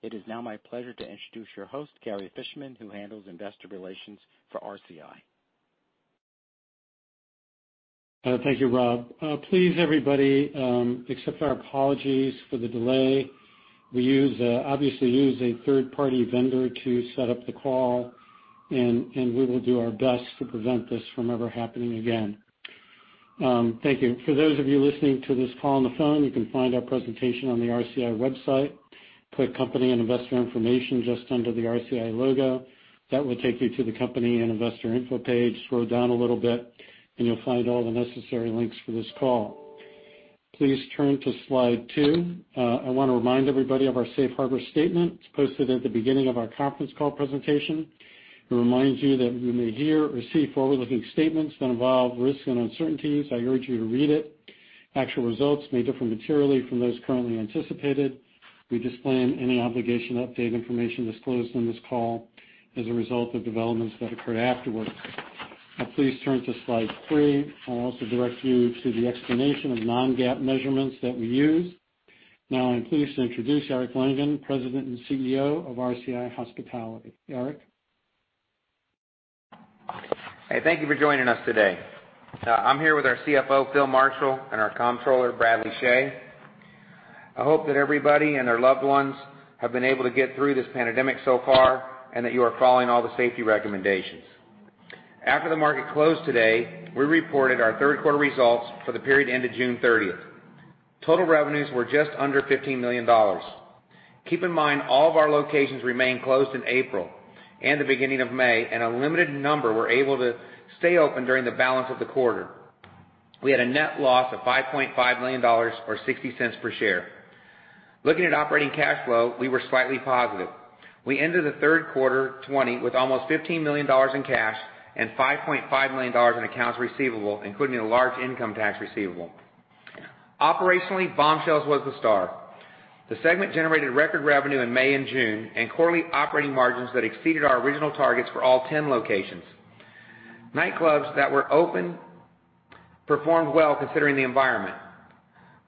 It is now my pleasure to introduce your host, Gary Fishman, who handles investor relations for RCI. Thank you, Rob. Please, everybody, accept our apologies for the delay. We obviously use a third-party vendor to set up the call, and we will do our best to prevent this from ever happening again. Thank you. For those of you listening to this call on the phone, you can find our presentation on the RCI website. Click Company and Investor Information just under the RCI logo. That will take you to the Company and Investor Info page. Scroll down a little bit, and you'll find all the necessary links for this call. Please turn to Slide two. I want to remind everybody of our safe harbor statement. It's posted at the beginning of our conference call presentation. To remind you that you may hear or see forward-looking statements that involve risks and uncertainties. I urge you to read it. Actual results may differ materially from those currently anticipated. We disclaim any obligation to update information disclosed on this call as a result of developments that occur afterwards. Now, please turn to Slide three. I'll also direct you to the explanation of non-GAAP measurements that we use. Now I'm pleased to introduce Eric Langan, President and CEO of RCI Hospitality. Eric? Hey, thank you for joining us today. I'm here with our CFO, Phil Marshall, and our Comptroller, Bradley Chhay. I hope that everybody and their loved ones have been able to get through this pandemic so far, and that you are following all the safety recommendations. After the market closed today, we reported our third quarter results for the period ending June 30th. Total revenues were just under $15 million. Keep in mind, all of our locations remained closed in April and the beginning of May, and a limited number were able to stay open during the balance of the quarter. We had a net loss of $5.5 million or $0.60 per share. Looking at operating cash flow, we were slightly positive. We ended the third quarter 2020 with almost $15 million in cash and $5.5 million in accounts receivable, including a large income tax receivable. Operationally, Bombshells was the star. The segment generated record revenue in May and June, and quarterly operating margins that exceeded our original targets for all 10 locations. Nightclubs that were open performed well considering the environment.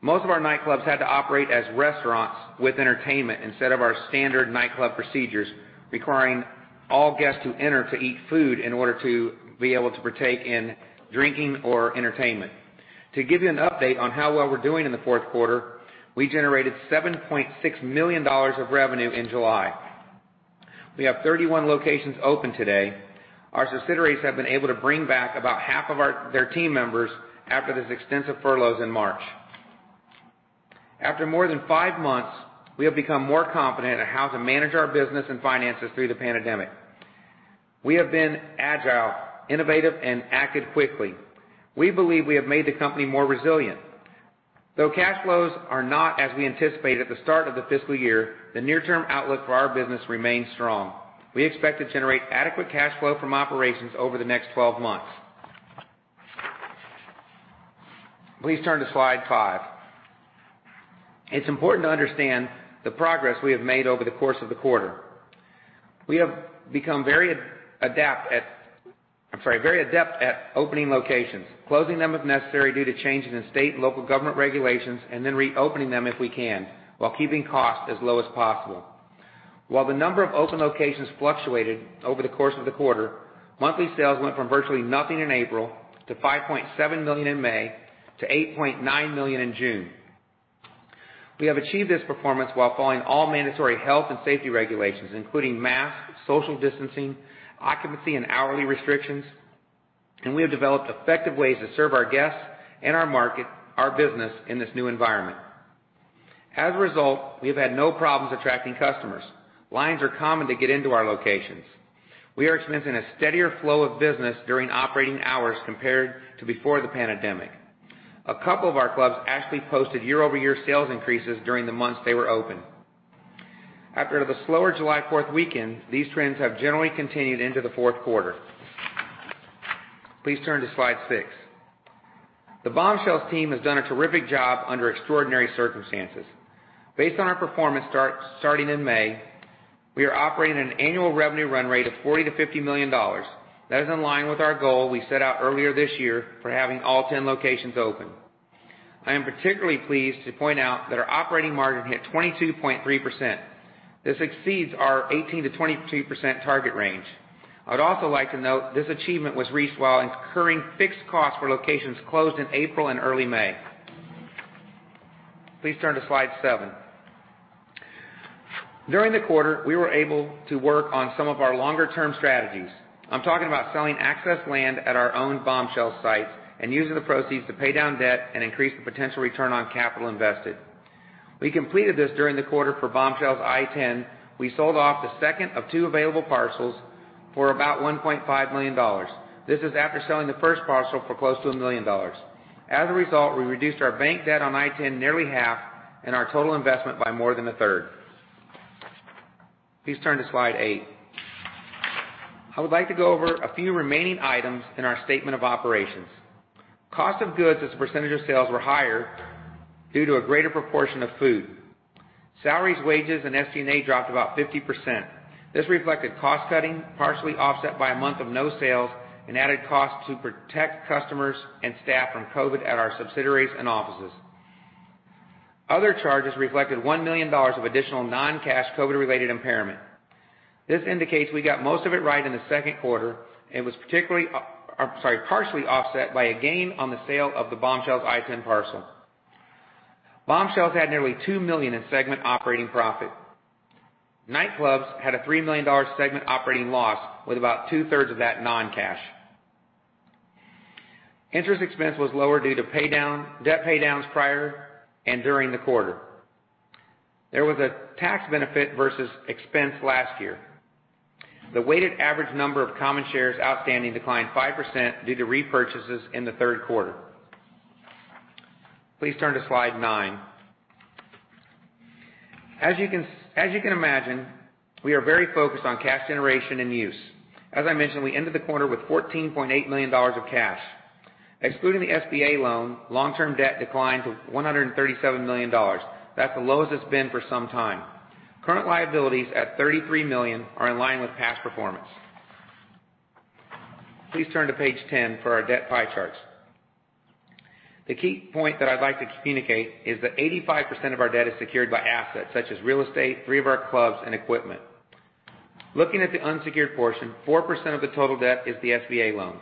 Most of our nightclubs had to operate as restaurants with entertainment instead of our standard nightclub procedures, requiring all guests who enter to eat food in order to be able to partake in drinking or entertainment. To give you an update on how well we're doing in the fourth quarter, we generated $7.6 million of revenue in July. We have 31 locations open today. Our subsidiaries have been able to bring back about half of their team members after those extensive furloughs in March. After more than five months, we have become more confident at how to manage our business and finances through the pandemic. We have been agile, innovative, and acted quickly. We believe we have made the company more resilient. Though cash flows are not as we anticipated at the start of the fiscal year, the near-term outlook for our business remains strong. We expect to generate adequate cash flow from operations over the next 12 months. Please turn to Slide 5. It's important to understand the progress we have made over the course of the quarter. We have become very adept at opening locations, closing them if necessary due to changes in state and local government regulations, and then reopening them if we can, while keeping costs as low as possible. While the number of open locations fluctuated over the course of the quarter, monthly sales went from virtually nothing in April to $5.7 million in May to $8.9 million in June. We have achieved this performance while following all mandatory health and safety regulations, including masks, social distancing, occupancy, and hourly restrictions, and we have developed effective ways to serve our guests and our market, our business in this new environment. As a result, we have had no problems attracting customers. Lines are common to get into our locations. We are experiencing a steadier flow of business during operating hours compared to before the pandemic. A couple of our clubs actually posted year-over-year sales increases during the months they were open. After the slower July 4th weekend, these trends have generally continued into the fourth quarter. Please turn to Slide six. The Bombshells team has done a terrific job under extraordinary circumstances. Based on our performance starting in May, we are operating at an annual revenue run rate of $40 million-$50 million. That is in line with our goal we set out earlier this year for having all 10 locations open. I am particularly pleased to point out that our operating margin hit 22.3%. This exceeds our 18%-22% target range. I would also like to note this achievement was reached while incurring fixed costs for locations closed in April and early May. Please turn to Slide seven. During the quarter, we were able to work on some of our longer-term strategies. I'm talking about selling excess land at our own Bombshells sites and using the proceeds to pay down debt and increase the potential return on capital invested. We completed this during the quarter for Bombshells I-10. We sold off the second of two available parcels for about $1.5 million. This is after selling the first parcel for close to $1 million. As a result, we reduced our bank debt on I-10 nearly half and our total investment by more than a third. Please turn to Slide 8. I would like to go over a few remaining items in our statement of operations. Cost of goods as a percentage of sales were higher due to a greater proportion of food. Salaries, wages, and SG&A dropped about 50%. This reflected cost-cutting, partially offset by a month of no sales and added cost to protect customers and staff from COVID at our subsidiaries and offices. Other charges reflected $1 million of additional non-cash COVID-related impairment. This indicates we got most of it right in the second quarter, and was partially offset by a gain on the sale of the Bombshells I-10 parcel. Bombshells had nearly $2 million in segment operating profit. Nightclubs had a $3 million segment operating loss, with about two-thirds of that non-cash. Interest expense was lower due to debt paydowns prior and during the quarter. There was a tax benefit versus expense last year. The weighted average number of common shares outstanding declined 5% due to repurchases in the third quarter. Please turn to slide nine. As you can imagine, we are very focused on cash generation and use. As I mentioned, we ended the quarter with $14.8 million of cash. Excluding the SBA loan, long-term debt declined to $137 million. That's the lowest it's been for some time. Current liabilities at $33 million are in line with past performance. Please turn to page 10 for our debt pie charts. The key point that I'd like to communicate is that 85% of our debt is secured by assets such as real estate, three of our clubs, and equipment. Looking at the unsecured portion, 4% of the total debt is the SBA loan.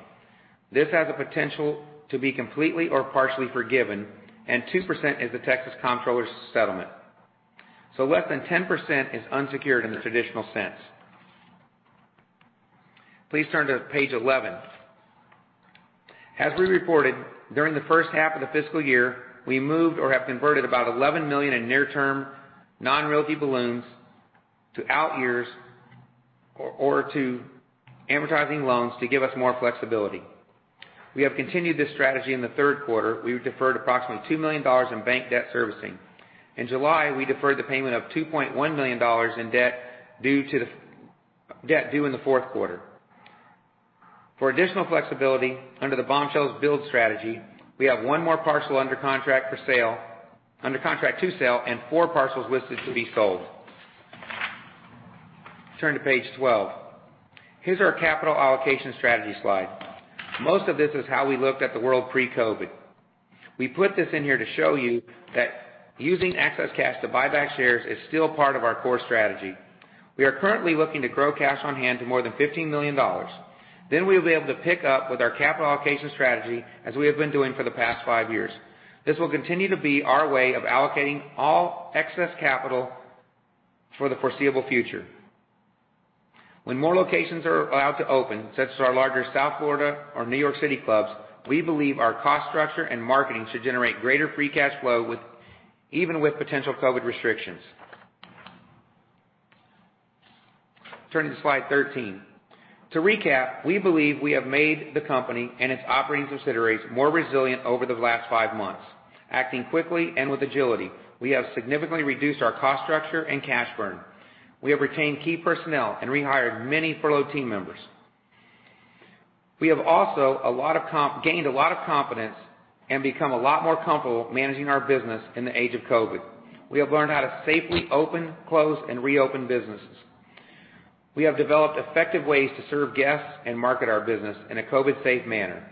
This has a potential to be completely or partially forgiven. 2% is the Texas Comptroller's settlement. Less than 10% is unsecured in the traditional sense. Please turn to page 11. As we reported, during the first half of the fiscal year, we moved or have converted about $11 million in near-term non-royalty balloons to out-years or to amortizing loans to give us more flexibility. We have continued this strategy in the third quarter. We deferred approximately $2 million in bank debt servicing. In July, we deferred the payment of $2.1 million in debt due in the fourth quarter. For additional flexibility under the Bombshells build strategy, we have one more parcel under contract to sell and four parcels listed to be sold. Turn to page 12. Here's our capital allocation strategy slide. Most of this is how we looked at the world pre-COVID. We put this in here to show you that using excess cash to buy back shares is still part of our core strategy. We are currently looking to grow cash on hand to more than $15 million. We'll be able to pick up with our capital allocation strategy as we have been doing for the past five years. This will continue to be our way of allocating all excess capital for the foreseeable future. When more locations are allowed to open, such as our larger South Florida or New York City clubs, we believe our cost structure and marketing should generate greater free cash flow even with potential COVID restrictions. Turning to slide 13. To recap, we believe we have made the company and its operating subsidiaries more resilient over the last five months. Acting quickly and with agility, we have significantly reduced our cost structure and cash burn. We have retained key personnel and rehired many furloughed team members. We have also gained a lot of confidence and become a lot more comfortable managing our business in the age of COVID. We have learned how to safely open, close, and reopen businesses. We have developed effective ways to serve guests and market our business in a COVID-safe manner.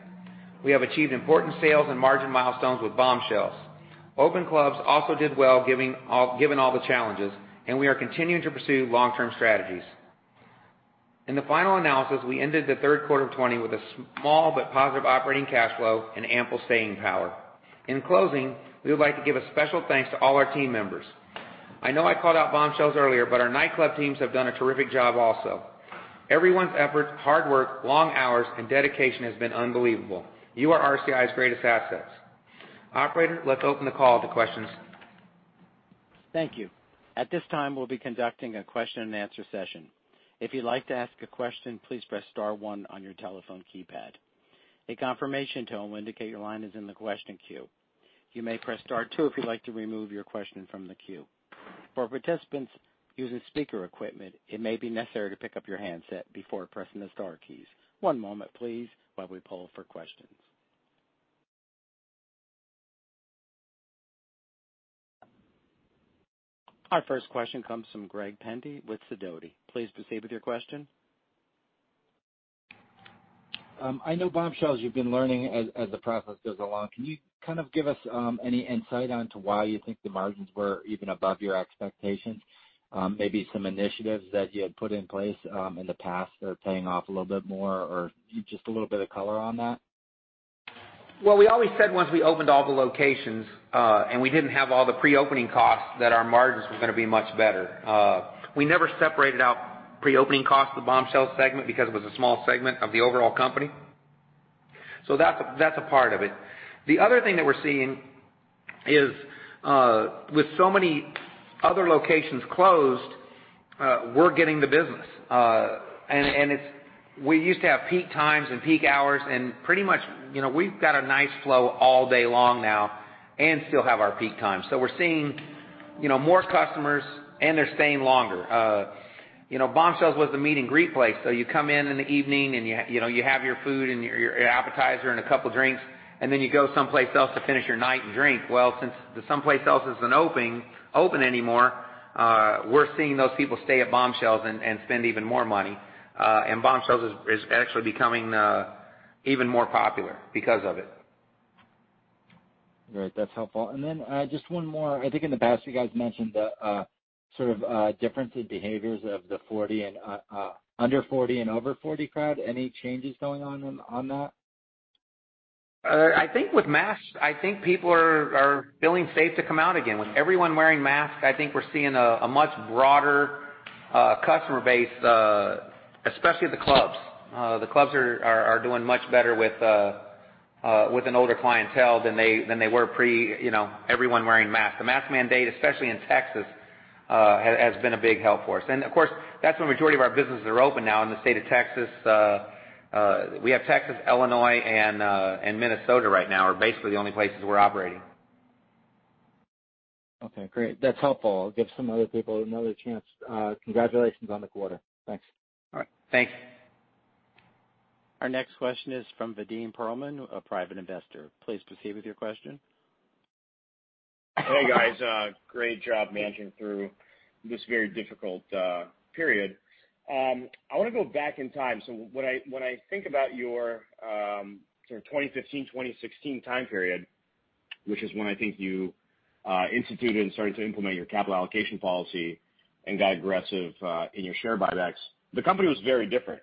We have achieved important sales and margin milestones with Bombshells. Open clubs also did well given all the challenges, and we are continuing to pursue long-term strategies. In the final analysis, we ended the third quarter of 2020 with a small but positive operating cash flow and ample staying power. In closing, we would like to give a special thanks to all our team members. I know I called out Bombshells earlier, but our nightclub teams have done a terrific job also. Everyone's efforts, hard work, long hours, and dedication has been unbelievable. You are RCI's greatest assets. Operator, let's open the call to questions. Thank you. At this time, we'll be conducting a question and answer session. If you'd like to ask a question, please press star one on your telephone keypad. A confirmation tone will indicate your line is in the question queue. You may press star two if you'd like to remove your question from the queue. For participants using speaker equipment, it may be necessary to pick up your handset before pressing the star keys. One moment please while we poll for questions. Our first question comes from Greg Pendy with Sidoti. Please proceed with your question. I know Bombshells you've been learning as the process goes along. Can you kind of give us any insight into why you think the margins were even above your expectations? Maybe some initiatives that you had put in place in the past that are paying off a little bit more, or just a little bit of color on that? Well, we always said once we opened all the locations, and we didn't have all the pre-opening costs, that our margins were going to be much better. We never separated out pre-opening costs of the Bombshells segment because it was a small segment of the overall company. That's a part of it. The other thing that we're seeing is, with so many other locations closed, we're getting the business. We used to have peak times and peak hours and pretty much we've got a nice flow all day long now and still have our peak times. We're seeing more customers, and they're staying longer. Bombshells was the meet and greet place. You come in in the evening and you have your food and your appetizer and a couple drinks, and then you go someplace else to finish your night and drink. Well, since the someplace else isn't open anymore, we're seeing those people stay at Bombshells and spend even more money. Bombshells is actually becoming even more popular because of it. Great. That's helpful. Just one more. I think in the past you guys mentioned the difference in behaviors of the under 40 and over 40 crowd. Any changes going on on that? I think with masks, I think people are feeling safe to come out again. With everyone wearing masks, I think we're seeing a much broader customer base, especially at the clubs. The clubs are doing much better with an older clientele than they were pre-everyone wearing masks. The mask mandate, especially in Texas, has been a big help for us. Of course, that's where majority of our businesses are open now, in the State of Texas. We have Texas, Illinois, and Minnesota right now, are basically the only places we're operating. Okay, great. That's helpful. I'll give some other people another chance. Congratulations on the quarter. Thanks. All right. Thanks. Our next question is from Vadim Perelman, a private investor. Please proceed with your question. Hey, guys. Great job managing through this very difficult period. I want to go back in time. When I think about your 2015, 2016 time period, which is when I think you instituted and started to implement your capital allocation policy and got aggressive in your share buybacks, the company was very different.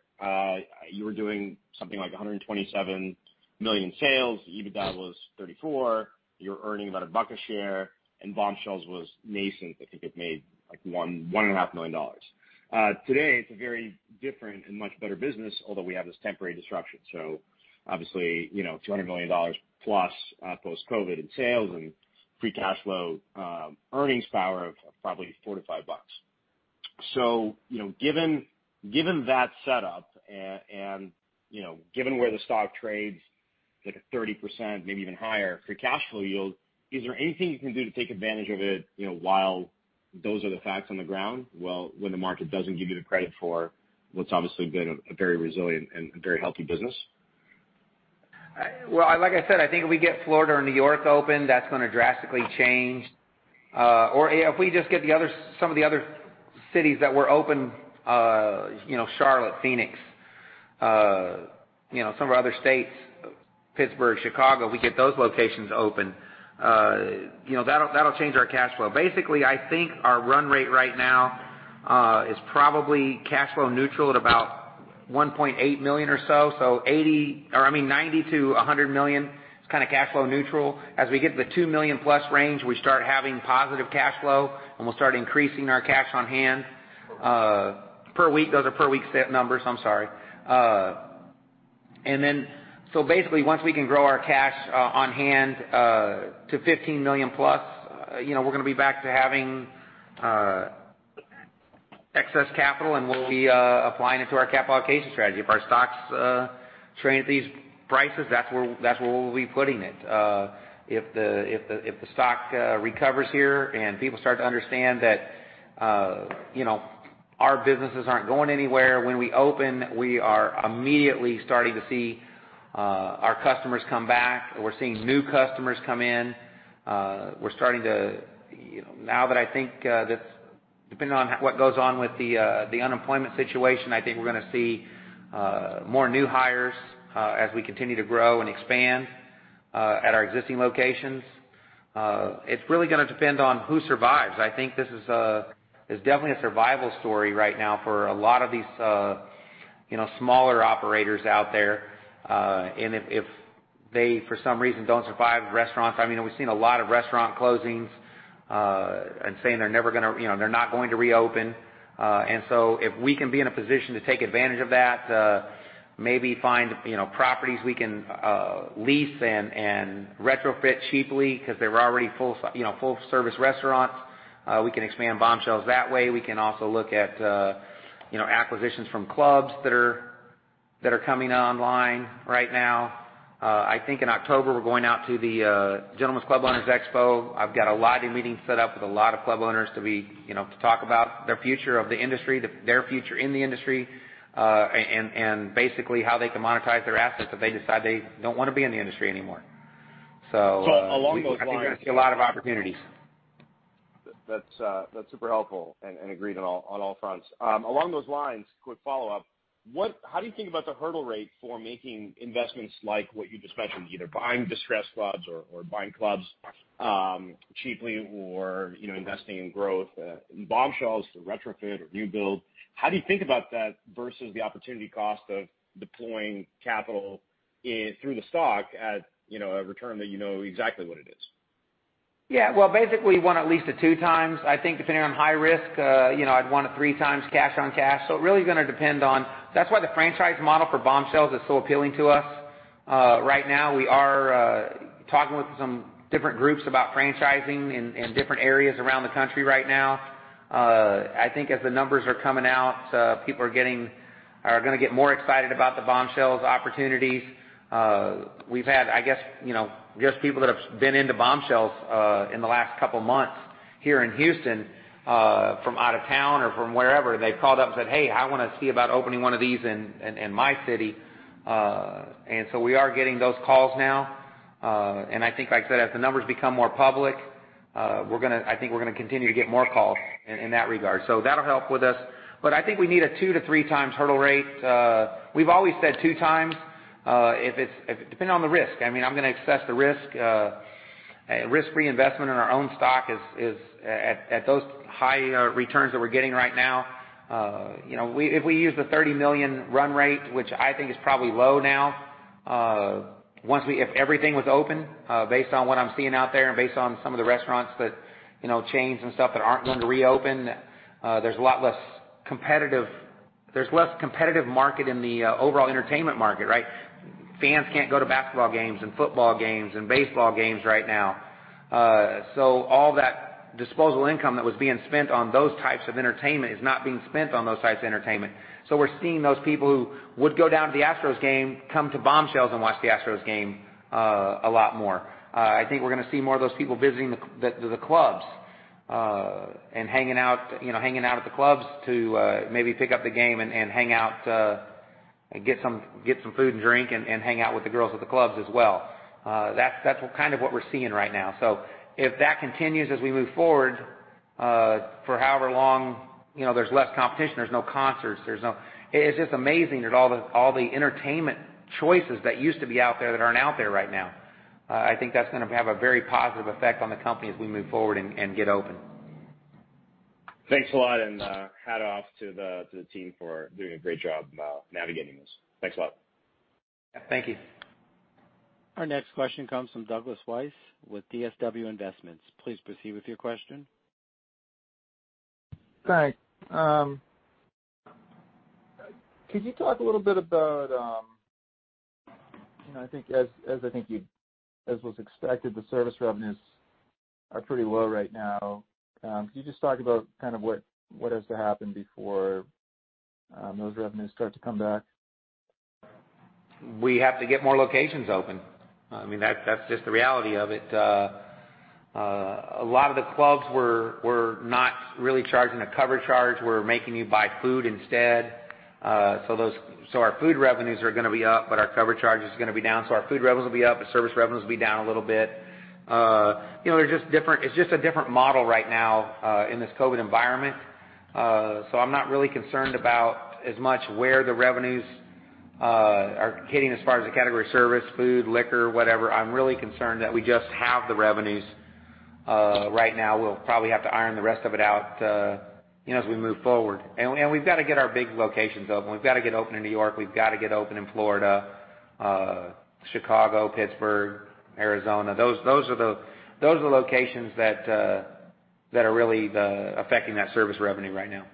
You were doing something like $127 million in sales. EBITDA was $34 million. You were earning about $1 a share, and Bombshells was nascent. I think it made like $1.5 million. Today, it's a very different and much better business, although we have this temporary disruption. Obviously, $200 million-plus post-COVID in sales and free cash flow, earnings power of probably $4-$5. Given that setup and given where the stock trades at a 30%, maybe even higher free cash flow yield, is there anything you can do to take advantage of it while those are the facts on the ground? When the market doesn't give you the credit for what's obviously been a very resilient and a very healthy business? Like I said, I think if we get Florida or New York open, that's going to drastically change. If we just get some of the other cities that were open, Charlotte, Phoenix, some of our other states, Pittsburgh, Chicago, we get those locations open, that'll change our cash flow. Basically, I think our run rate right now is probably cash flow neutral at about $1.8 million or so. $90 million-$100 million is kind of cash flow neutral. As we get to the $2 million-plus range, we start having positive cash flow, and we'll start increasing our cash on hand per week. Those are per week numbers, I'm sorry. Basically, once we can grow our cash on hand to $15 million-plus, we're going to be back to having excess capital, and we'll be applying it to our capital allocation strategy. If our stock's trading at these prices, that's where we'll be putting it. If the stock recovers here and people start to understand that our businesses aren't going anywhere, when we open, we are immediately starting to see our customers come back. We're seeing new customers come in. Now that I think that depending on what goes on with the unemployment situation, I think we're going to see more new hires, as we continue to grow and expand at our existing locations. It's really going to depend on who survives. I think this is definitely a survival story right now for a lot of these smaller operators out there. If they, for some reason, don't survive, restaurants, we've seen a lot of restaurant closings, and saying they're not going to reopen. If we can be in a position to take advantage of that, maybe find properties we can lease and retrofit cheaply because they were already full service restaurants. We can expand Bombshells that way. We can also look at acquisitions from clubs that are coming online right now. I think in October, we're going out to the Gentlemen's Club Owners Expo. I've got a lot of meetings set up with a lot of club owners to talk about their future of the industry, their future in the industry, and basically how they can monetize their assets if they decide they don't want to be in the industry anymore. along those lines. I think you're going to see a lot of opportunities. That's super helpful and agreed on all fronts. Along those lines, quick follow-up. How do you think about the hurdle rate for making investments like what you just mentioned, either buying distressed clubs or buying clubs cheaply or investing in growth in Bombshells to retrofit or rebuild? How do you think about that versus the opportunity cost of deploying capital through the stock at a return that you know exactly what it is? Well, basically want at least a 2x. I think depending on high risk, I'd want a 3x cash on cash. It really is going to depend on that. That's why the franchise model for Bombshells is so appealing to us. Right now, we are talking with some different groups about franchising in different areas around the country right now. I think as the numbers are coming out, people are going to get more excited about the Bombshells opportunities. We've had, I guess, just people that have been into Bombshells in the last couple of months here in Houston, from out of town or from wherever, and they've called up and said, "Hey, I want to see about opening one of these in my city." We are getting those calls now. I think, like I said, as the numbers become more public, I think we're going to continue to get more calls in that regard. That'll help with us. I think we need a two to three times hurdle rate. We've always said two times, depending on the risk. I'm going to assess the risk. Risk-free investment in our own stock is at those higher returns that we're getting right now. If we use the $30 million run rate, which I think is probably low now, if everything was open, based on what I'm seeing out there and based on some of the restaurants chains and stuff that aren't going to reopen, there's less competitive market in the overall entertainment market, right. Fans can't go to basketball games and football games and baseball games right now. All that disposable income that was being spent on those types of entertainment is not being spent on those types of entertainment. We're seeing those people who would go down to the Astros game, come to Bombshells and watch the Astros game a lot more. I think we're going to see more of those people visiting the clubs, and hanging out at the clubs to maybe pick up the game and hang out and get some food and drink and hang out with the girls at the clubs as well. That's kind of what we're seeing right now. If that continues as we move forward, for however long, there's less competition, there's no concerts. It's just amazing that all the entertainment choices that used to be out there that aren't out there right now. I think that's going to have a very positive effect on the company as we move forward and get open. Thanks a lot, and hat off to the team for doing a great job navigating this. Thanks a lot. Thank you. Our next question comes from Douglas Weiss with DSW Investment. Please proceed with your question. Hi. Could you talk a little bit about, as I think as was expected, the service revenues are pretty low right now? Could you just talk about kind of what has to happen before those revenues start to come back? We have to get more locations open. That's just the reality of it. A lot of the clubs were not really charging a cover charge, were making you buy food instead. Our food revenues are going to be up, but our cover charge is going to be down. Our food revenues will be up, but service revenues will be down a little bit. It's just a different model right now in this COVID environment. I'm not really concerned about as much where the revenues are hitting as far as the category service, food, liquor, whatever. I'm really concerned that we just have the revenues. Right now, we'll probably have to iron the rest of it out as we move forward. We've got to get our big locations open. We've got to get open in New York, we've got to get open in Florida, Chicago, Pittsburgh, Arizona. Those are the locations that are really affecting that service revenue right now.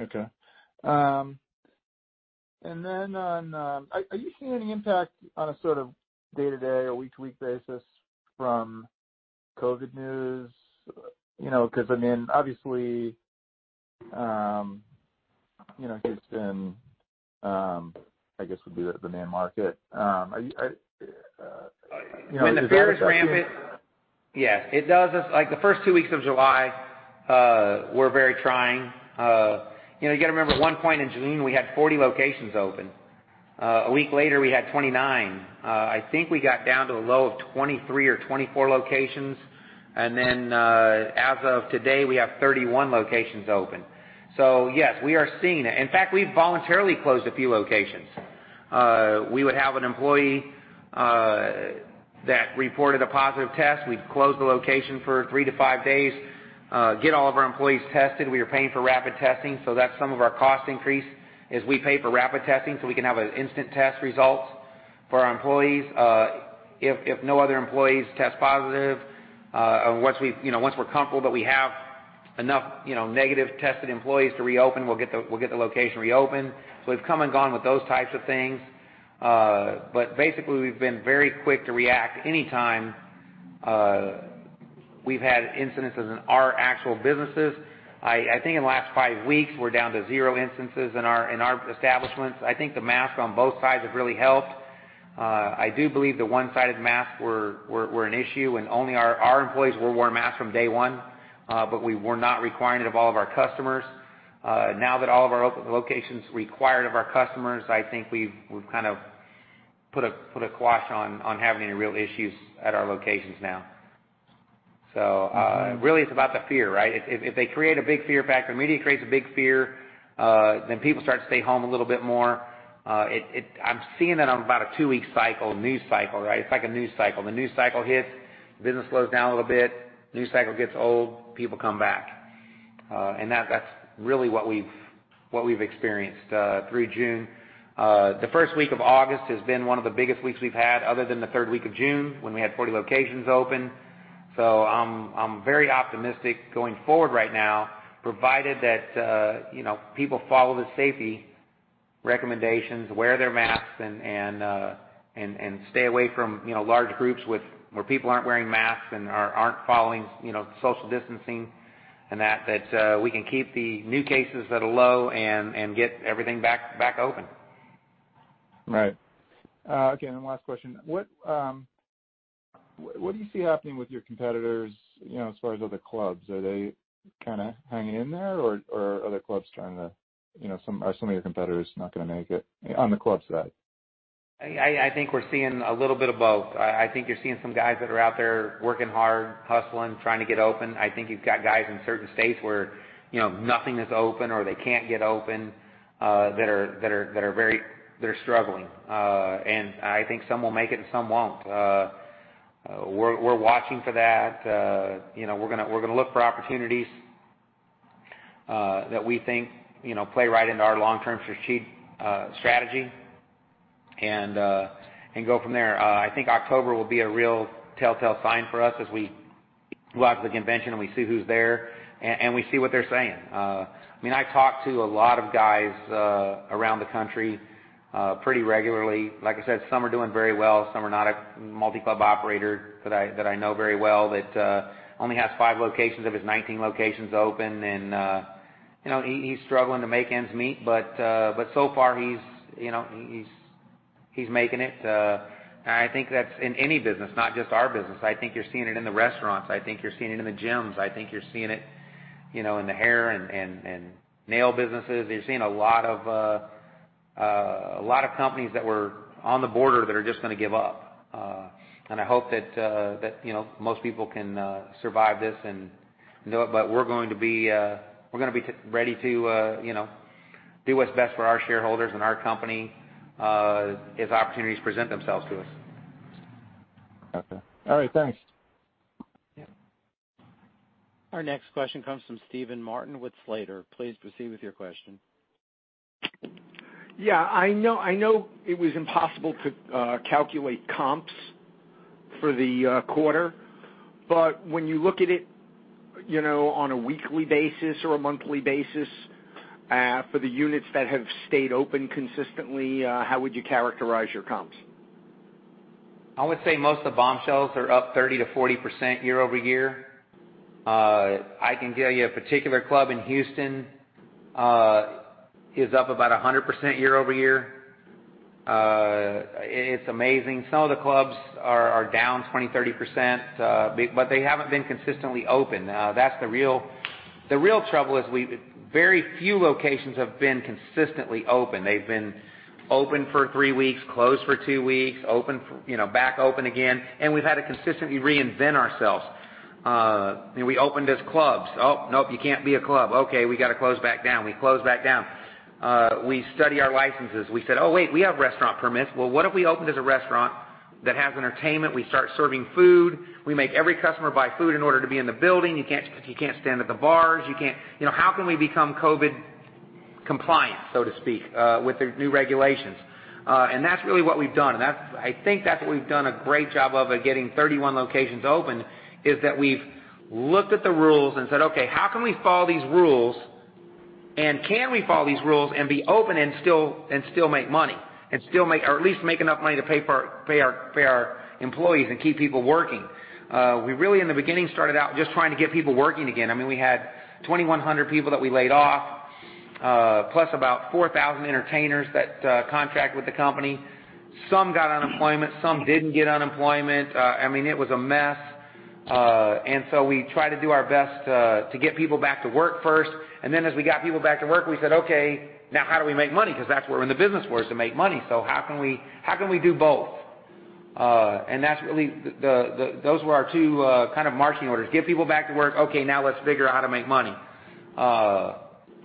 Okay. Are you seeing any impact on a sort of day-to-day or week-to-week basis from COVID news? Obviously, Houston, I guess, would be the main market. Is there an impact there? When the fear is rampant. Yeah, it does. Like the first two weeks of July, were very trying. You got to remember at one point in June, we had 40 locations open. A week later we had 29. I think we got down to a low of 23 or 24 locations. As of today, we have 31 locations open. Yes, we are seeing it. In fact, we've voluntarily closed a few locations. We would have an employee that reported a positive test, we'd close the location for three to five days, get all of our employees tested. We are paying for rapid testing, so that's some of our cost increase is we pay for rapid testing so we can have instant test results for our employees. If no other employees test positive, and once we're comfortable that we have enough negative tested employees to reopen, we'll get the location reopened. We've come and gone with those types of things. Basically, we've been very quick to react anytime we've had incidences in our actual businesses. I think in the last five weeks, we're down to zero instances in our establishments. I think the mask on both sides have really helped. I do believe the one-sided masks were an issue and only our employees wore masks from day one. We were not requiring it of all of our customers. Now that all of our locations require it of our customers, I think we've kind of put a quash on having any real issues at our locations now. Really it's about the fear, right? If they create a big fear factor, media creates a big fear, then people start to stay home a little bit more. I'm seeing it on about a two-week cycle, news cycle, right? It's like a news cycle. The news cycle hits, business slows down a little bit. News cycle gets old, people come back. That's really what we've experienced through June. The first week of August has been one of the biggest weeks we've had, other than the third week of June when we had 40 locations open. I'm very optimistic going forward right now, provided that people follow the safety recommendations, wear their masks, and stay away from large groups where people aren't wearing masks and aren't following social distancing and that we can keep the new cases at a low and get everything back open. Right. Okay. Last question. What do you see happening with your competitors as far as other clubs? Are they kind of hanging in there or are some of your competitors not going to make it on the club side? I think we're seeing a little bit of both. I think you're seeing some guys that are out there working hard, hustling, trying to get open. I think you've got guys in certain states where nothing is open or they can't get open that are struggling. I think some will make it and some won't. We're watching for that. We're going to look for opportunities that we think play right into our long-term strategy and go from there. I think October will be a real telltale sign for us as we go out to the convention and we see who's there, and we see what they're saying. I talk to a lot of guys around the country pretty regularly. Like I said, some are doing very well, some are not. A multi-club operator that I know very well that only has five locations of his 19 locations open, and he's struggling to make ends meet. So far he's making it. I think that's in any business, not just our business. I think you're seeing it in the restaurants. I think you're seeing it in the gyms. I think you're seeing it in the hair and nail businesses. You're seeing a lot of companies that were on the border that are just going to give up. I hope that most people can survive this and do it, but we're going to be ready to do what's best for our shareholders and our company, as opportunities present themselves to us. Okay. All right. Thanks. Yeah. Our next question comes from Steven Martin with Slater. Please proceed with your question. Yeah. I know it was impossible to calculate comps for the quarter, but when you look at it on a weekly basis or a monthly basis for the units that have stayed open consistently, how would you characterize your comps? I would say most of the Bombshells are up 30%-40% year-over-year. I can tell you a particular club in Houston is up about 100% year-over-year. It's amazing. Some of the clubs are down 20%, 30%, but they haven't been consistently open. The real trouble is very few locations have been consistently open. They've been open for three weeks, closed for two weeks, back open again, and we've had to consistently reinvent ourselves. We opened as clubs. Oh, nope, you can't be a club. Okay, we got to close back down. We close back down. We study our licenses. We said, "Oh, wait, we have restaurant permits. Well, what if we opened as a restaurant that has entertainment? We start serving food. We make every customer buy food in order to be in the building. You can't stand at the bars." How can we become COVID compliant, so to speak, with the new regulations? That's really what we've done, and I think that's what we've done a great job of at getting 31 locations open, is that we've looked at the rules and said, "Okay, how can we follow these rules? Can we follow these rules and be open and still make money? At least make enough money to pay our employees and keep people working." We really, in the beginning, started out just trying to get people working again. We had 2,100 people that we laid off, plus about 4,000 entertainers that contract with the company. Some got unemployment, some didn't get unemployment. It was a mess. We tried to do our best to get people back to work first. As we got people back to work, we said, "Okay, now how do we make money?" That's we're in the business for, is to make money. How can we do both? Those were our two kind of marching orders. Get people back to work. Okay, now let's figure out how to make money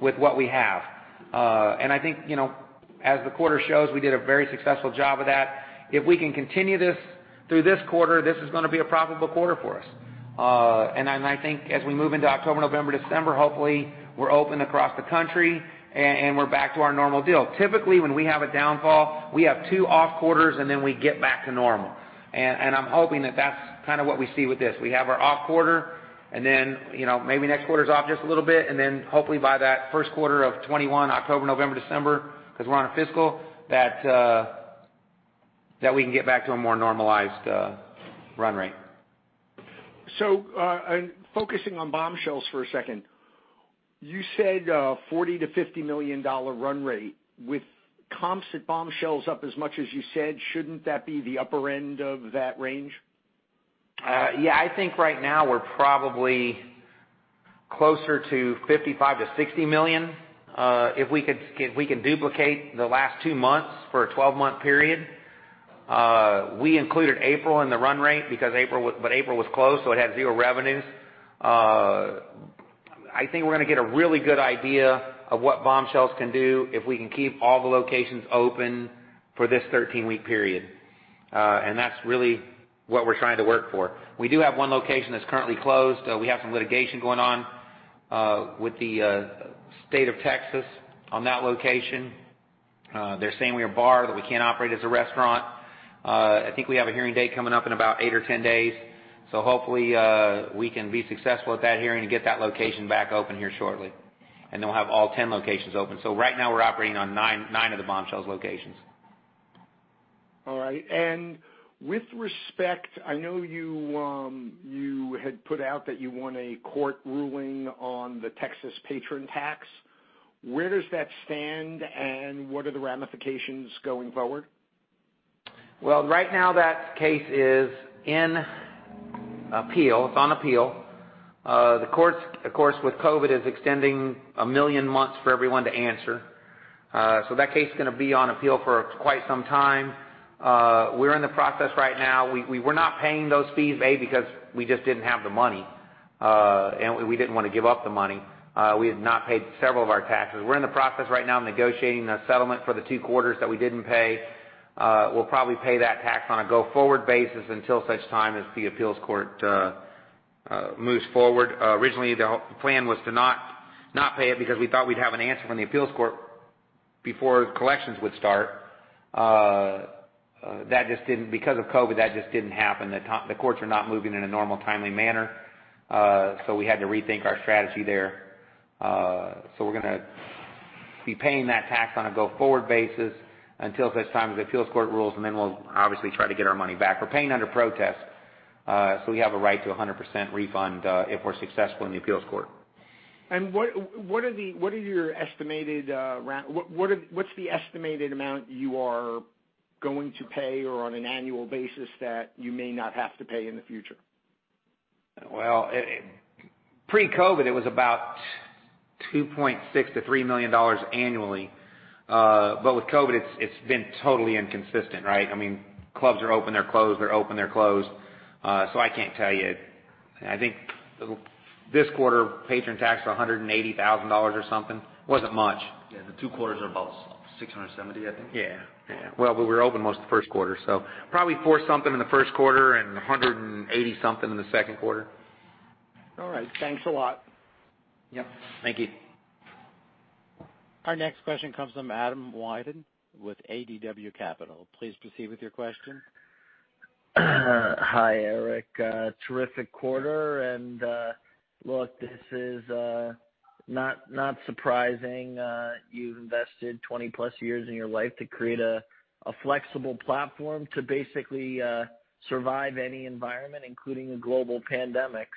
with what we have. I think as the quarter shows, we did a very successful job of that. If we can continue this through this quarter, this is going to be a profitable quarter for us. I think as we move into October, November, December, hopefully we're open across the country and we're back to our normal deal. Typically, when we have a downfall, we have two off quarters, and then we get back to normal. I'm hoping that that's kind of what we see with this. We have our off quarter, and then maybe next quarter's off just a little bit, and then hopefully by that first quarter of 2021, October, November, December, because we're on a fiscal, that we can get back to a more normalized run rate. Focusing on Bombshells for a second, you said $40 million-$50 million run rate. With comps at Bombshells up as much as you said, shouldn't that be the upper end of that range? Yeah. I think right now we're probably closer to $55 million-$60 million. If we can duplicate the last two months for a 12-month period. We included April in the run rate, but April was closed, so it had zero revenues. I think we're going to get a really good idea of what Bombshells can do if we can keep all the locations open for this 13-week period. That's really what we're trying to work for. We do have one location that's currently closed. We have some litigation going on with the State of Texas on that location. They're saying we're a bar, that we can't operate as a restaurant. I think we have a hearing date coming up in about eight or 10 days. Hopefully, we can be successful at that hearing and get that location back open here shortly, and then we'll have all 10 locations open. Right now we're operating on nine of the Bombshells locations. All right. With respect, I know you had put out that you want a court ruling on the Texas patron tax. Where does that stand and what are the ramifications going forward? Right now that case is in appeal. It's on appeal. The courts, of course, with COVID, is extending 1 million months for everyone to answer. That case is going to be on appeal for quite some time. We're in the process right now. We were not paying those fees, A, because we just didn't have the money, and we didn't want to give up the money. We have not paid several of our taxes. We're in the process right now negotiating a settlement for the two quarters that we didn't pay. We'll probably pay that tax on a go-forward basis until such time as the appeals court moves forward. Originally, the plan was to not pay it because we thought we'd have an answer from the appeals court before collections would start. Because of COVID, that just didn't happen. The courts are not moving in a normal, timely manner, so we had to rethink our strategy there. We're going to be paying that tax on a go-forward basis until such time as the appeals court rules, and then we'll obviously try to get our money back. We're paying under protest, so we have a right to 100% refund if we're successful in the appeals court. What's the estimated amount you are going to pay or on an annual basis that you may not have to pay in the future? Pre-COVID, it was about $2.6 million-$3 million annually. With COVID, it's been totally inconsistent, right? Clubs are open, they're closed, they're open, they're closed. I can't tell you. I think this quarter, patron tax was $180,000 or something. Wasn't much. Yeah, the two quarters are about $670, I think. Yeah. Well, we were open most of the first quarter, probably $four something in the first quarter and $180 something in the second quarter. All right. Thanks a lot. Yep. Thank you. Our next question comes from Adam Wyden with ADW Capital. Please proceed with your question. Hi, Eric. Terrific quarter, look, this is not surprising. You've invested 20-plus years in your life to create a flexible platform to basically survive any environment, including a global pandemic.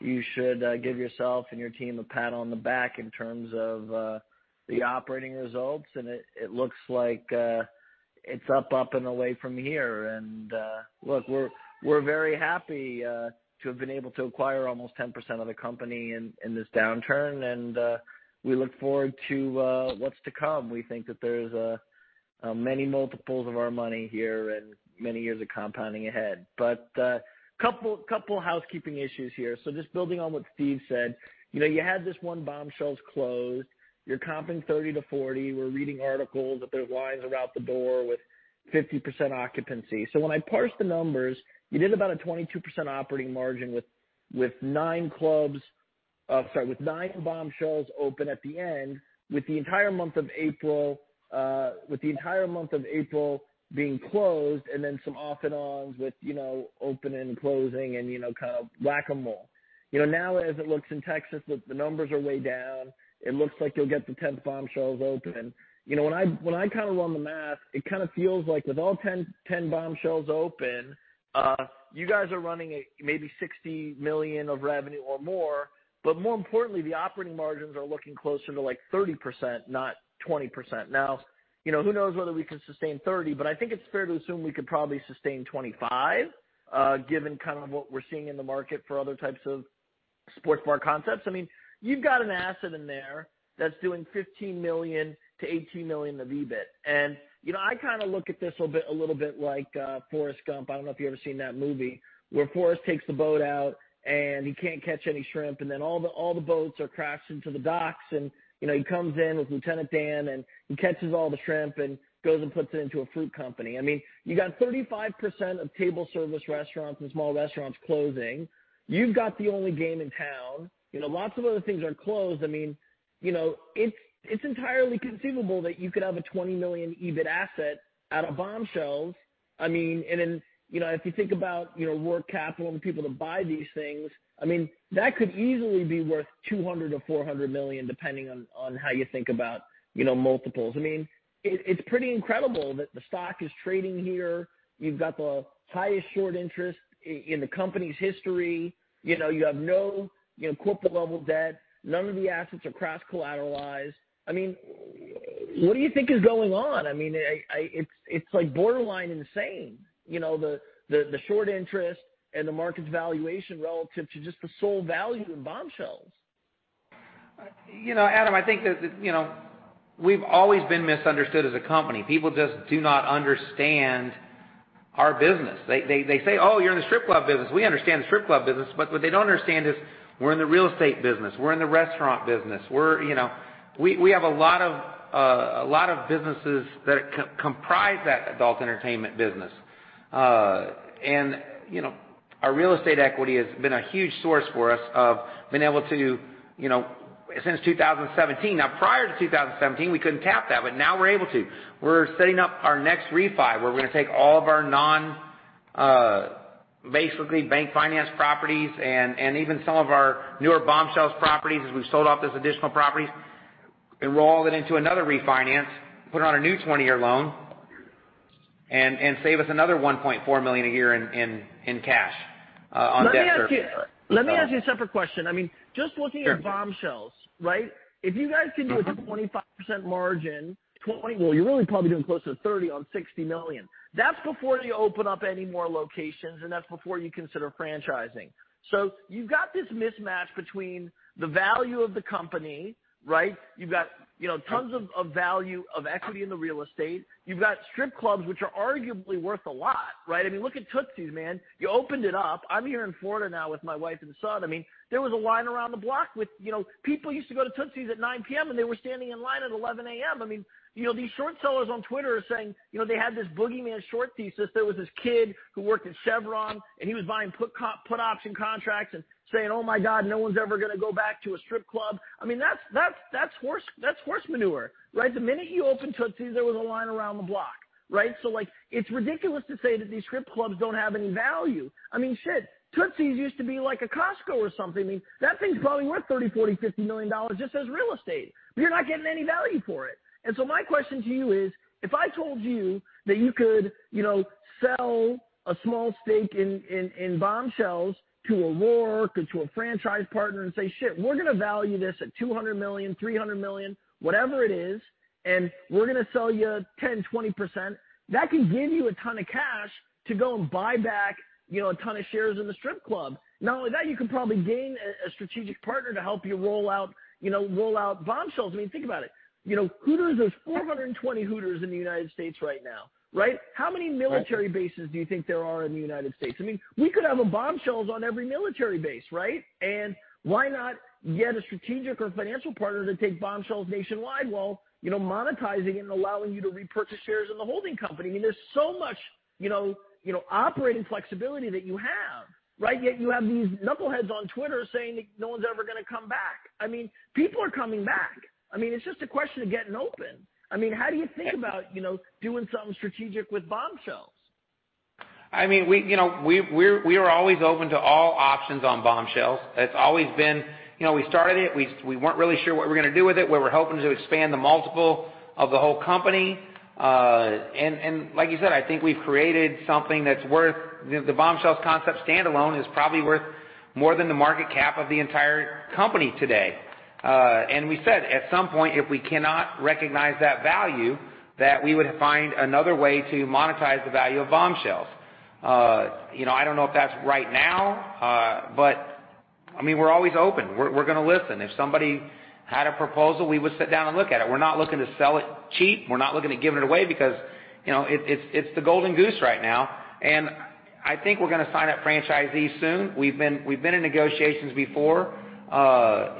You should give yourself and your team a pat on the back in terms of the operating results, it looks like it's up, and away from here. Look, we're very happy to have been able to acquire almost 10% of the company in this downturn, we look forward to what's to come. We think that there's many multiples of our money here and many years of compounding ahead. A couple housekeeping issues here. Just building on what Steve said, you had this one Bombshells closed. You're comping 30%-40%. We're reading articles that there's lines are out the door with 50% occupancy. When I parse the numbers, you did about a 22% operating margin with nine clubs, sorry, with nine Bombshells open at the end, with the entire month of April being closed, and then some off and ons with opening and closing and kind of whack-a-mole. As it looks in Texas, the numbers are way down. It looks like you'll get the 10th Bombshells open. When I kind of run the math, it kind of feels like with all 10 Bombshells open, you guys are running maybe $60 million of revenue or more, but more importantly, the operating margins are looking closer to 30%, not 20%. Who knows whether we can sustain 30%, but I think it's fair to assume we could probably sustain 25%, given kind of what we're seeing in the market for other types of sports bar concepts. You've got an asset in there that's doing $15 million-$18 million of EBIT. I kind of look at this a little bit like "Forrest Gump." I don't know if you've ever seen that movie, where Forrest takes the boat out and he can't catch any shrimp, and then all the boats are crashed into the docks and he comes in with Lieutenant Dan, and he catches all the shrimp and goes and puts it into a fruit company. You got 35% of table service restaurants and small restaurants closing. You've got the only game in town. Lots of other things are closed. It's entirely conceivable that you could have a $20 million EBIT asset out of Bombshells. Then, if you think about working capital and people to buy these things, that could easily be worth $200 million-$400 million, depending on how you think about multiples. It's pretty incredible that the stock is trading here. You've got the highest short interest in the company's history. You have no corporate-level debt. None of the assets are cross-collateralized. What do you think is going on? It's like borderline insane. The short interest and the market valuation relative to just the sole value in Bombshells. Adam, I think that we've always been misunderstood as a company. People just do not understand our business. They say, "Oh, you're in the strip club business. We understand the strip club business." What they don't understand is we're in the real estate business. We're in the restaurant business. We have a lot of businesses that comprise that adult entertainment business. Our real estate equity has been a huge source for us of being able to, since 2017. Now, prior to 2017, we couldn't tap that, but now we're able to. We're setting up our next refi, where we're going to take all of our non, basically bank-financed properties and even some of our newer Bombshells properties, as we've sold off those additional properties, and roll it into another refinance, put it on a new 20-year loan, and save us another $1.4 million a year in cash on debt service. Let me ask you a separate question. Just looking at Bombshells. If you guys can do a 25% margin, well, you're really probably doing closer to 30 on $60 million. That's before you open up any more locations, and that's before you consider franchising. You've got this mismatch between the value of the company. You've got tons of value of equity in the real estate. You've got strip clubs, which are arguably worth a lot. Look at Tootsie's, man. You opened it up. I'm here in Florida now with my wife and son. There was a line around the block with people who used to go to Tootsie's at 9:00 P.M., and they were standing in line at 11:00 A.M. These short sellers on Twitter are saying they had this boogeyman short thesis. There was this kid who worked at Chevron, and he was buying put option contracts and saying, "Oh my God, no one's ever going to go back to a strip club." That's horse manure. The minute you opened Tootsie's, there was a line around the block. It's ridiculous to say that these strip clubs don't have any value. Tootsie's used to be like a Costco or something. That thing's probably worth $30 million, $40 million, $50 million just as real estate. But you're not getting any value for it. My question to you is, if I told you that you could sell a small stake in Bombshells to Aurora or to a franchise partner and say, we're going to value this at $200 million, $300 million, whatever it is, and we're going to sell you 10%, 20%," that could give you a ton of cash to go and buy back a ton of shares in the strip club. Not only that, you could probably gain a strategic partner to help you roll out Bombshells. Think about it. There's 420 Hooters in the United States right now. How many military bases do you think there are in the United States? We could have a Bombshells on every military base. Why not get a strategic or financial partner to take Bombshells nationwide while monetizing it and allowing you to repurchase shares in the holding company? There's so much operating flexibility that you have. You have these knuckleheads on Twitter saying that no one's ever going to come back. People are coming back. It's just a question of getting open. How do you think about doing something strategic with Bombshells? We are always open to all options on Bombshells. It's always been, we started it, we weren't really sure what we're going to do with it. We were hoping to expand the multiple of the whole company. Like you said, I think we've created something that's worth, the Bombshells concept standalone is probably worth more than the market cap of the entire company today. We said, at some point, if we cannot recognize that value, that we would find another way to monetize the value of Bombshells. I don't know if that's right now. We're always open. We're going to listen. If somebody had a proposal, we would sit down and look at it. We're not looking to sell it cheap. We're not looking to give it away because it's the golden goose right now. I think we're going to sign up franchisees soon. We've been in negotiations before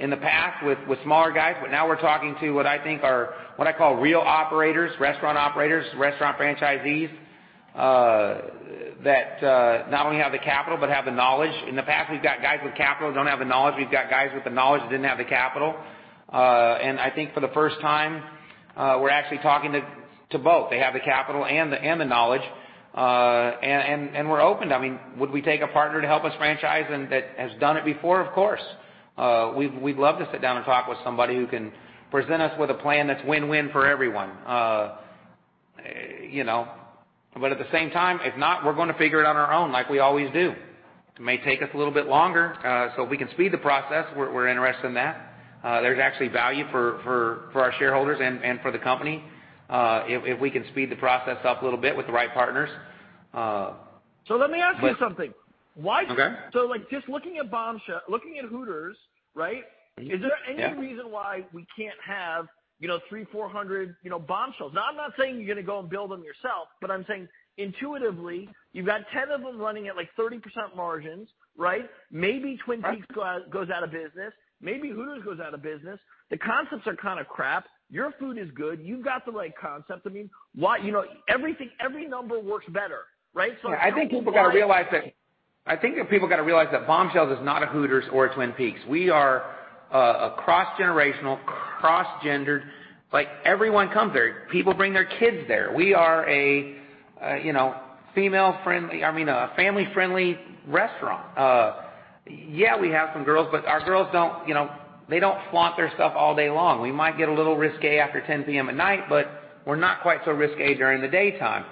in the past with smaller guys, but now we're talking to what I call real operators, restaurant operators, restaurant franchisees, that not only have the capital but have the knowledge. In the past, we've got guys with capital, don't have the knowledge. We've got guys with the knowledge that didn't have the capital. I think for the first time, we're actually talking to both. They have the capital and the knowledge. We're open. Would we take a partner to help us franchise that has done it before? Of course. We'd love to sit down and talk with somebody who can present us with a plan that's win-win for everyone. At the same time, if not, we're going to figure it on our own like we always do. It may take us a little bit longer. If we can speed the process, we're interested in that. There's actually value for our shareholders and for the company if we can speed the process up a little bit with the right partners. Let me ask you something. Okay. Just looking at Hooters. Yeah. Is there any reason why we can't have 300, 400 Bombshells? I'm not saying you're going to go and build them yourself, but I'm saying intuitively, you've got 10 of them running at 30% margins. Maybe Twin Peaks goes out of business. Maybe Hooters goes out of business. The concepts are kind of crap. Your food is good. You've got the right concept. Every number works better. I think people got to realize that Bombshells is not a Hooters or a Twin Peaks. We are a cross-generational, cross-gendered. Everyone comes there. People bring their kids there. We are a family-friendly restaurant. Yeah, we have some girls, but our girls don't flaunt their stuff all day long. We might get a little risque after 10:00 P.M. at night, but we're not quite so risque during the daytime.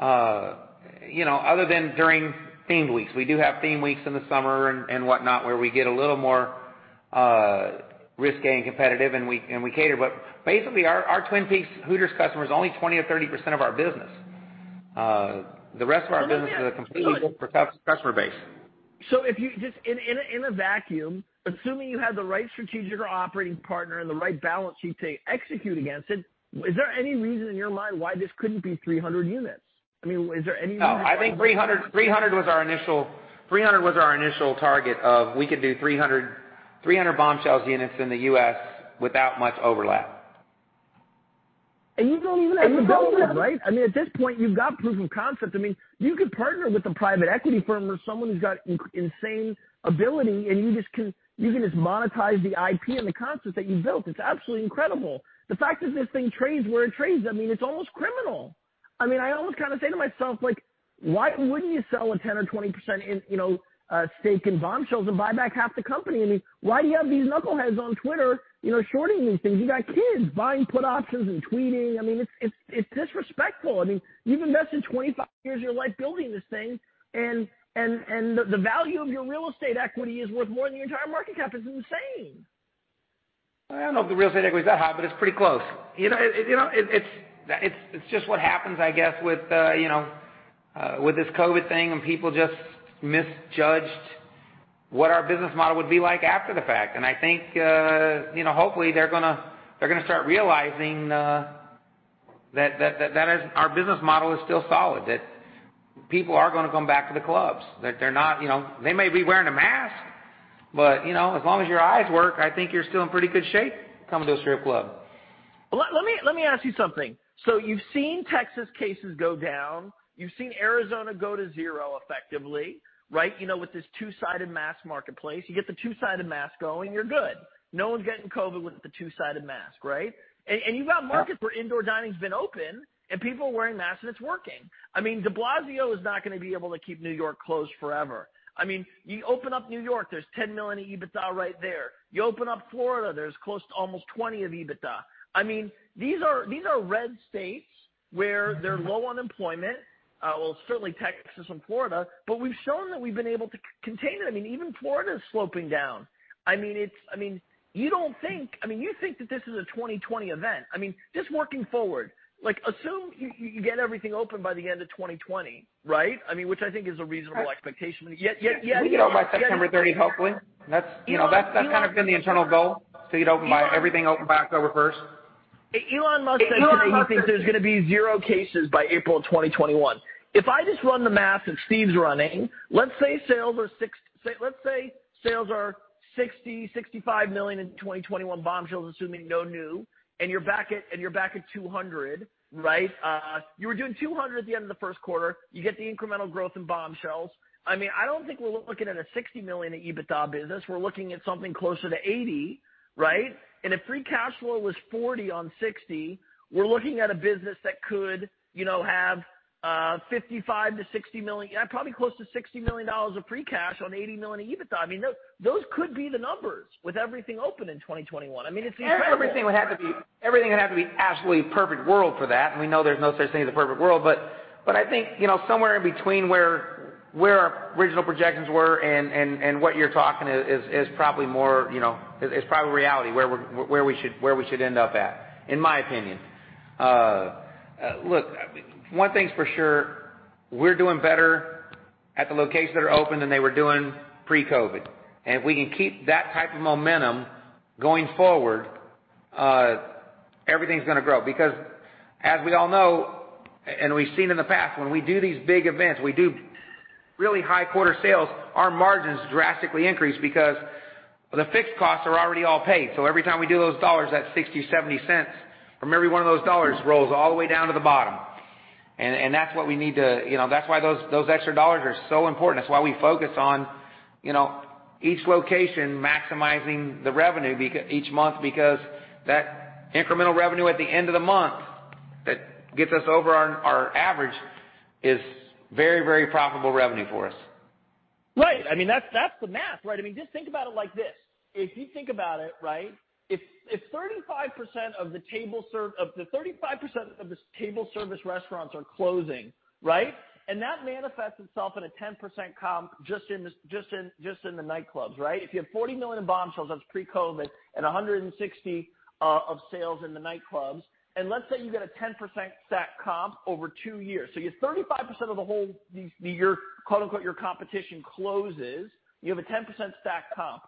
Other than during theme weeks. We do have theme weeks in the summer and whatnot, where we get a little more risque and competitive, and we cater. Basically, our Twin Peaks, Hooters customer is only 20% or 30% of our business. The rest of our business is a completely different customer base. In a vacuum, assuming you had the right strategic or operating partner and the right balance sheet to execute against it, is there any reason in your mind why this couldn't be 300 units? No, I think 300 was our initial target of we could do 300 Bombshells units in the U.S. without much overlap. You don't even have to build it, right? At this point, you've got proof of concept. You could partner with a private equity firm or someone who's got insane ability, and you can just monetize the IP and the concept that you've built. It's absolutely incredible. The fact that this thing trades where it trades, it's almost criminal. I almost say to myself, why wouldn't you sell a 10% or 20% stake in Bombshells and buy back half the company? Why do you have these knuckleheads on Twitter shorting these things? You got kids buying put options and tweeting. It's disrespectful. You've invested 25 years of your life building this thing, and the value of your real estate equity is worth more than the entire market cap. It's insane. I don't know if the real estate equity is that high, but it's pretty close. It's just what happens, I guess, with this COVID thing, and people just misjudged what our business model would be like after the fact. I think, hopefully, they're going to start realizing that our business model is still solid, that people are going to come back to the clubs. They may be wearing a mask, but as long as your eyes work, I think you're still in pretty good shape to come to a strip club. Let me ask you something. You've seen Texas cases go down. You've seen Arizona go to zero effectively. With this two-sided mask marketplace, you get the two-sided mask going, you're good. No one's getting COVID with the two-sided mask, right? Yeah. You've got markets where indoor dining's been open, and people are wearing masks, and it's working. De Blasio is not going to be able to keep New York closed forever. You open up New York, there's $10 million in EBITDA right there. You open up Florida, there's close to almost $20 million of EBITDA. These are red states where there's low unemployment. Well, certainly Texas and Florida, we've shown that we've been able to contain it. Even Florida is sloping down. You think that this is a 2020 event. Just working forward, assume you get everything open by the end of 2020. Which I think is a reasonable expectation. We get open by September 30, hopefully. That's been the internal goal, to get everything open by October 1st. Elon Musk said today he thinks there's going to be zero cases by April 2021. If I just run the math that Steve's running, let's say sales are $60 million, $65 million in 2021 Bombshells, assuming no new, you're back at $200 million. You were doing $200 million at the end of the first quarter. You get the incremental growth in Bombshells. I don't think we're looking at a $60 million EBITDA business. We're looking at something closer to $80 million. If free cash flow was $40 million on $60 million, we're looking at a business that could have probably close to $60 million of free cash on $80 million of EBITDA. Those could be the numbers with everything open in 2021. It's incredible. Everything would have to be absolutely perfect world for that. We know there's no such thing as a perfect world. I think, somewhere in between where our original projections were and what you're talking is probably reality, where we should end up at, in my opinion. Look, one thing's for sure, we're doing better at the locations that are open than they were doing pre-COVID. If we can keep that type of momentum going forward, everything's going to grow. As we all know, and we've seen in the past, when we do these big events, we do really high quarter sales, our margins drastically increase because the fixed costs are already all paid. Every time we do those dollars, that $0.60, $0.70 from every one of those dollars rolls all the way down to the bottom. That's why those extra dollars are so important. That's why we focus on each location maximizing the revenue each month because that incremental revenue at the end of the month that gets us over our average is very profitable revenue for us. Right. That's the math. Just think about it like this. If you think about it, if 35% of the table service restaurants are closing, and that manifests itself in a 10% comp just in the nightclubs. If you have $40 million in Bombshells, that's pre-COVID, and $160 million of sales in the nightclubs, and let's say you get a 10% stack comp over two years. You have 35% of the whole, "your competition" closes. You have a 10% stack comp.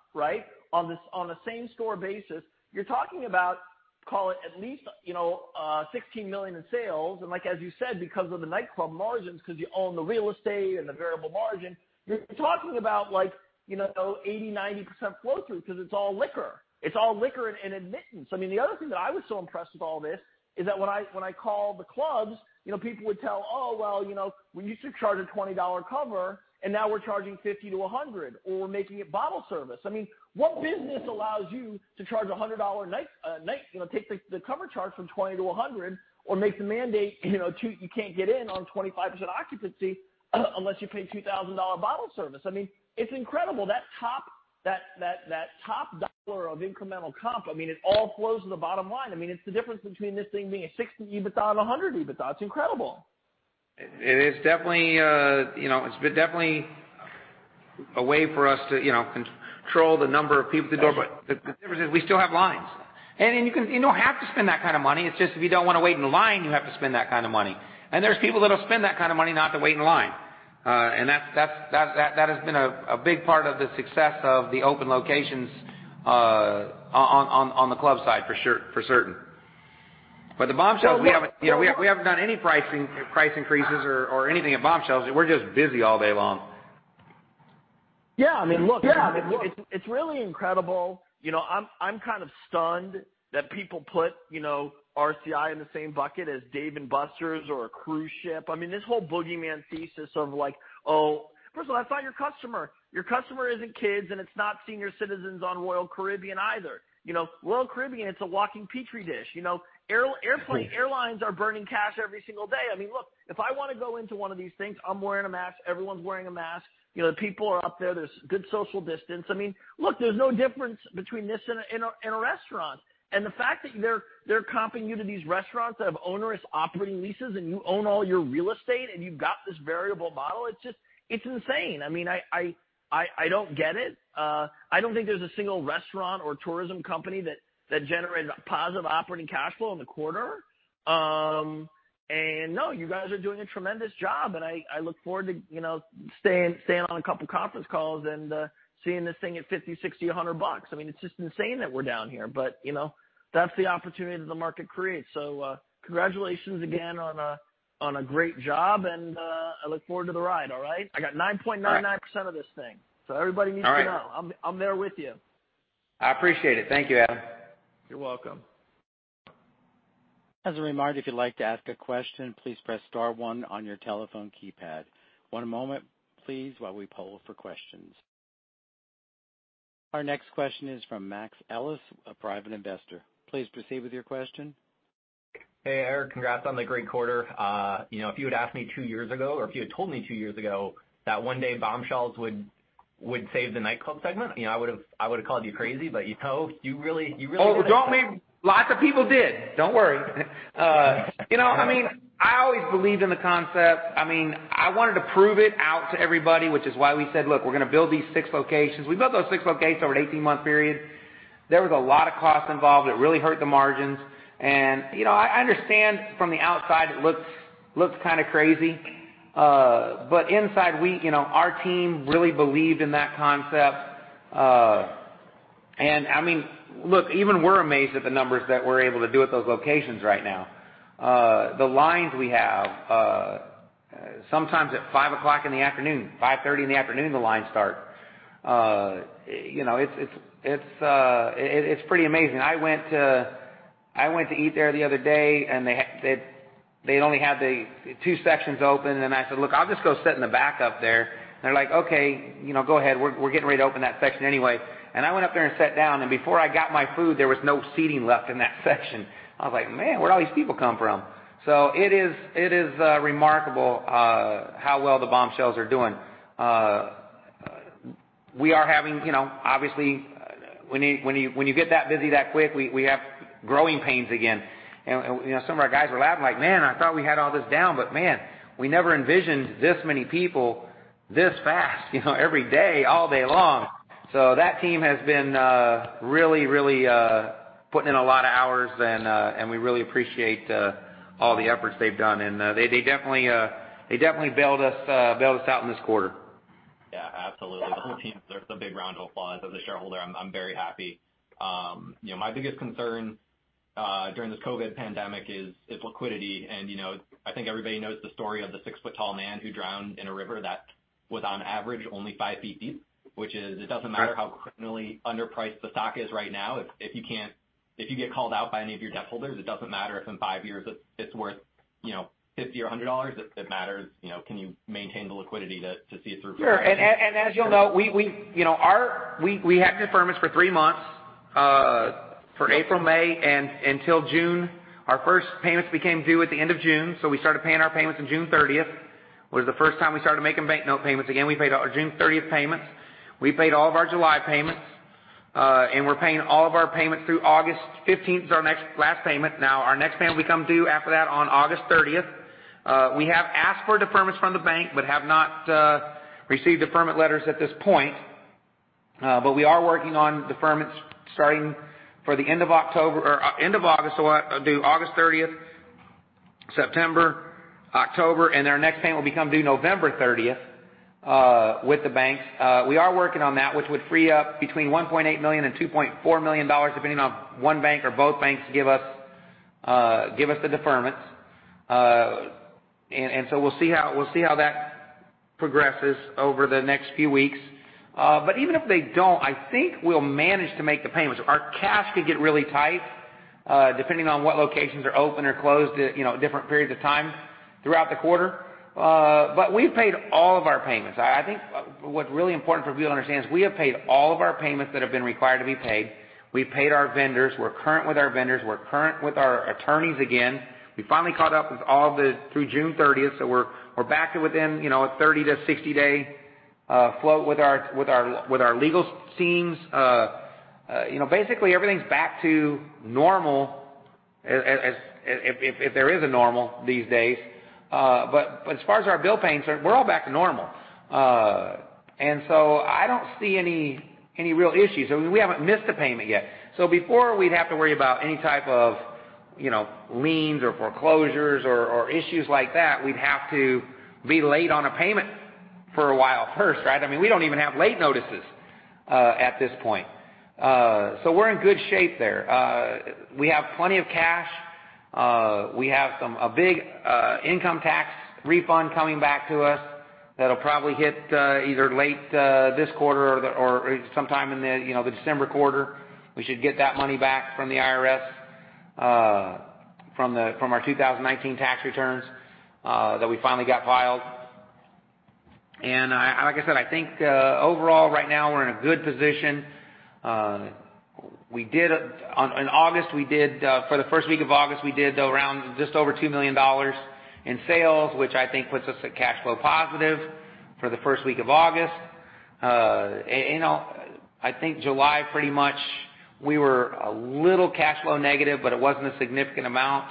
On a same store basis, you're talking about, call it at least $16 million in sales. As you said, because of the nightclub margins, because you own the real estate and the variable margin, you're talking about 80%, 90% flow through because it's all liquor. It's all liquor and admittance. The other thing that I was so impressed with all this is that when I call the clubs, people would tell, "Oh, well, we used to charge a $20 cover, and now we're charging $50 to $100, or we're making it bottle service." What business allows you to take the cover charge from $20 to $100 or make the mandate, you can't get in on 25% occupancy unless you pay $2,000 bottle service? It's incredible. That top dollar of incremental comp, it all flows to the bottom line. It's the difference between this thing being a $60 million EBITDA and a $100 million EBITDA. It's incredible. It's definitely a way for us to control the number of people at the door, but the difference is we still have lines. You don't have to spend that kind of money. It's just if you don't want to wait in line, you have to spend that kind of money. There's people that'll spend that kind of money not to wait in line. That has been a big part of the success of the open locations on the club side for certain. The Bombshells, we haven't done any price increases or anything at Bombshells. We're just busy all day long. Yeah. Look, it's really incredible. I'm kind of stunned that people put RCI in the same bucket as Dave & Buster's or a cruise ship. This whole boogeyman thesis of like, First of all, that's not your customer. Your customer isn't kids, and it's not senior citizens on Royal Caribbean either. Royal Caribbean, it's a walking Petri dish. Airlines are burning cash every single day. Look, if I want to go into one of these things, I'm wearing a mask, everyone's wearing a mask. The people are up there's good social distance. Look, there's no difference between this and a restaurant. The fact that they're comparing you to these restaurants that have onerous operating leases, and you own all your real estate, and you've got this variable model, it's insane. I don't get it. I don't think there's a single restaurant or tourism company that generated a positive operating cash flow in the quarter. No, you guys are doing a tremendous job, and I look forward to staying on a couple conference calls and seeing this thing at $50, $60, $100. It's just insane that we're down here, but that's the opportunity that the market creates. Congratulations again on a great job, and I look forward to the ride, all right? I got 9.99% of this thing. All right. Everybody needs to know. I'm there with you. I appreciate it. Thank you, Adam. You're welcome. As a reminder, if you'd like to ask a question, please press star one on your telephone keypad. One moment, please, while we poll for questions. Our next question is from Max Ellis, a private investor. Please proceed with your question. Hey, Eric, congrats on the great quarter. If you had asked me two years ago, or if you had told me two years ago, that one day Bombshells would save the nightclub segment, I would've called you crazy. You really did it. Lots of people did. Don't worry. I always believed in the concept. I wanted to prove it out to everybody, which is why we said, "Look, we're going to build these six locations." We built those six locations over an 18-month period. There was a lot of cost involved. It really hurt the margins. I understand from the outside it looks kind of crazy. Inside, our team really believed in that concept. Look, even we're amazed at the numbers that we're able to do at those locations right now. The lines we have, sometimes at 5:00 in the afternoon, 5:30 in the afternoon, the lines start. It's pretty amazing. I went to eat there the other day, and they only had two sections open, and I said, "Look, I'll just go sit in the back up there." They're like, "Okay. Go ahead. We're getting ready to open that section anyway." I went up there and sat down, and before I got my food, there was no seating left in that section. I was like, "Man, where'd all these people come from?" It is remarkable how well the Bombshells are doing. We are having, obviously, when you get that busy that quick, we have growing pains again. Some of our guys were laughing like, "Man, I thought we had all this down," but man, we never envisioned this many people this fast every day, all day long. That team has been really putting in a lot of hours and we really appreciate all the efforts they've done. They definitely bailed us out in this quarter. Yeah, absolutely. The whole team deserves a big round of applause. As a shareholder, I'm very happy. My biggest concern during this COVID pandemic is liquidity. I think everybody knows the story of the six-foot-tall man who drowned in a river that was on average only five feet deep, which is, it doesn't matter how criminally underpriced the stock is right now. If you get called out by any of your debt holders, it doesn't matter if in five years it's worth $50 or $100. It matters can you maintain the liquidity to see it through to the other side? Sure. As you'll know, we had deferments for three months. For April, May, and until June. Our first payments became due at the end of June, so we started paying our payments on June 30th. It was the first time we started making bank note payments again. We paid our June 30th payments. We paid all of our July payments. We're paying all of our payments through August 15th is our next last payment. Our next payment becomes due after that on August 30th. We have asked for deferments from the bank but have not received deferment letters at this point. We are working on deferments starting for the end of August, so due August 30th, September, October, and their next payment will become due November 30th with the banks. We are working on that, which would free up between $1.8 million and $2.4 million, depending on one bank or both banks give us the deferment. We'll see how that progresses over the next few weeks. Even if they don't, I think we'll manage to make the payments. Our cash could get really tight depending on what locations are open or closed at different periods of time throughout the quarter. We've paid all of our payments. I think what's really important for people to understand is we have paid all of our payments that have been required to be paid. We've paid our vendors. We're current with our vendors. We're current with our attorneys again. We finally caught up with all the through June 30th, so we're back to within a 30- to 60-day flow with our legal teams. Basically, everything's back to normal, if there is a normal these days. As far as our bill payments, we're all back to normal. I don't see any real issues. We haven't missed a payment yet. Before we'd have to worry about any type of liens or foreclosures or issues like that, we'd have to be late on a payment for a while first, right? We don't even have late notices, at this point. We're in good shape there. We have plenty of cash. We have a big income tax refund coming back to us that'll probably hit either late this quarter or sometime in the December quarter. We should get that money back from the IRS from our 2019 tax returns that we finally got filed. Like I said, I think overall right now, we're in a good position. For the first week of August, we did around just over $2 million in sales, which I think puts us at cash flow positive for the first week of August. I think July pretty much we were a little cash flow negative, but it wasn't a significant amount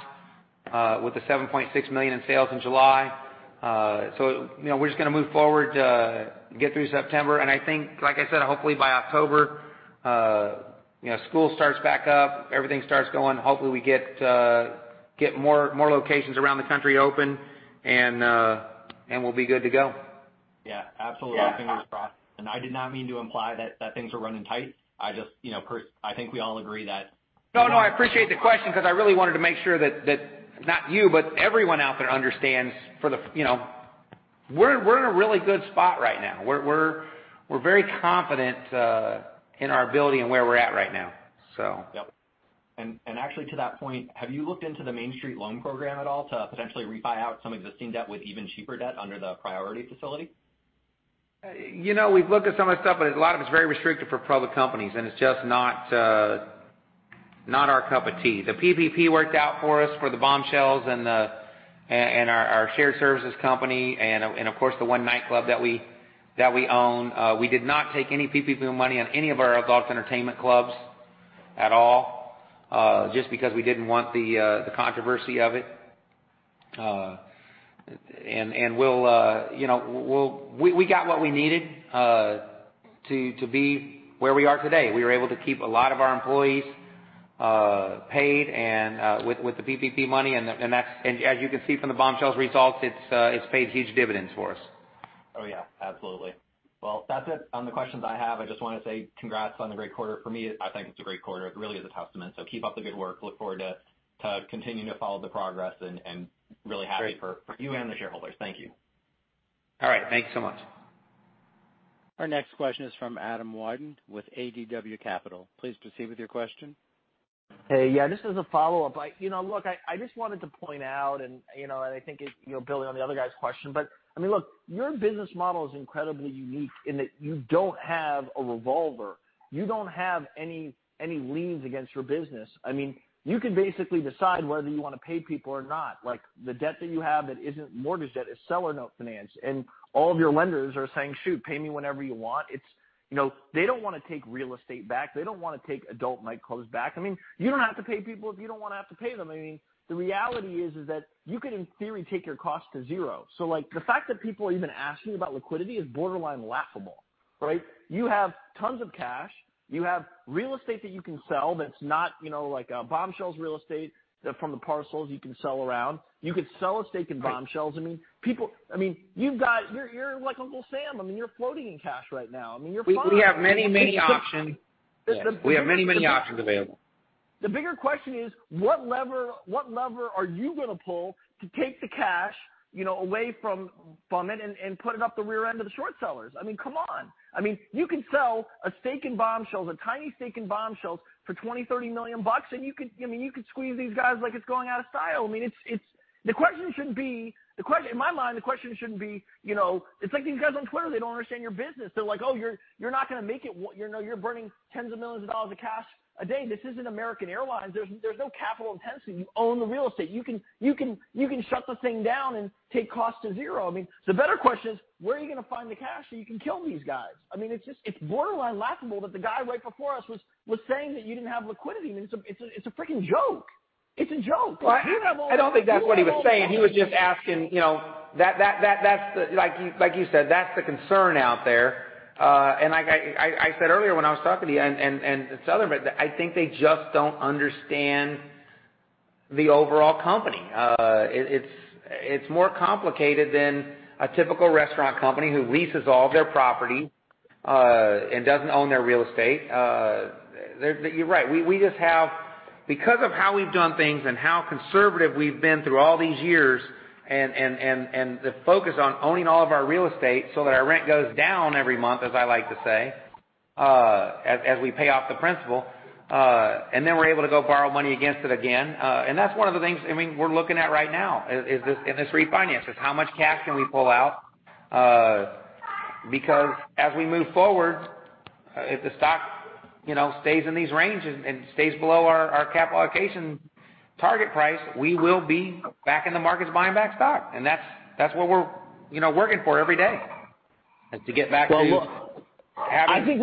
with the $7.6 million in sales in July. We're just going to move forward, get through September. I think, like I said, hopefully by October, school starts back up, everything starts going. Hopefully, we get more locations around the country open. We'll be good to go. Yeah, absolutely. Yeah. I did not mean to imply that things were running tight. I think we all agree that. No, no, I appreciate the question because I really wanted to make sure that not you, but everyone out there understands we're in a really good spot right now. We're very confident in our ability and where we're at right now. Yep. Actually, to that point, have you looked into the Main Street Lending Program at all to potentially refi out some existing debt with even cheaper debt under the priority facility? We've looked at some of the stuff, but a lot of it's very restricted for public companies, and it's just not our cup of tea. The PPP worked out for us for the Bombshells and our shared services company and, of course, the one nightclub that we own. We did not take any PPP money on any of our adult entertainment clubs at all, just because we didn't want the controversy of it. We got what we needed to be where we are today. We were able to keep a lot of our employees paid and with the PPP money. As you can see from the Bombshells results, it's paid huge dividends for us. Oh, yeah, absolutely. Well, that's it on the questions I have. I just want to say congrats on the great quarter. For me, I think it's a great quarter. It really is a testament. Keep up the good work. Look forward to continuing to follow the progress and really happy for you and the shareholders. Thank you. All right. Thank you so much. Our next question is from Adam Wyden with ADW Capital. Please proceed with your question. Hey, yeah, this is a follow-up. Look, I just wanted to point out, building on the other guy's question. Look, your business model is incredibly unique in that you don't have a revolver. You don't have any liens against your business. You can basically decide whether you want to pay people or not. The debt that you have that isn't mortgage debt is seller note financed. All of your lenders are saying, "Shoot, pay me whenever you want." They don't want to take real estate back. They don't want to take adult nightclubs back. You don't have to pay people if you don't want to have to pay them. The reality is that you could, in theory, take your cost to zero. The fact that people are even asking about liquidity is borderline laughable, right? You have tons of cash. You have real estate that you can sell, that's not like Bombshells real estate from the parcels you can sell around. You could sell a stake in Bombshells. You're like Uncle Sam. You're floating in cash right now. You're fine. We have many options available. The bigger question is, what lever are you going to pull to take the cash away from it and put it up the rear end of the short sellers? Come on. You can sell a stake in Bombshells, a tiny stake in Bombshells for $20, $30 million, and you could squeeze these guys like it's going out of style. In my mind, the question shouldn't be. It's like these guys on Twitter, they don't understand your business. They're like, "Oh, you're not going to make it. You're burning tens of millions of dollars of cash a day." This isn't American Airlines. There's no capital intensity. You own the real estate. You can shut the thing down and take costs to zero. The better question is, where are you going to find the cash so you can kill these guys? It's borderline laughable that the guy right before us was saying that you didn't have liquidity. It's a freaking joke. It's a joke. I don't think that's what he was saying. He was just asking. Like you said, that's the concern out there. Like I said earlier when I was talking to you and this other bit, I think they just don't understand the overall company. It's more complicated than a typical restaurant company who leases all their property and doesn't own their real estate. You're right. Because of how we've done things and how conservative we've been through all these years and the focus on owning all of our real estate so that our rent goes down every month, as I like to say, as we pay off the principal. We're able to go borrow money against it again. That's one of the things we're looking at right now in this refinance, is how much cash can we pull out? As we move forward, if the stock stays in these ranges and stays below our capitalization target price, we will be back in the markets buying back stock, and that's what we're working for every day. I think